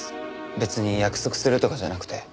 別に約束するとかじゃなくて。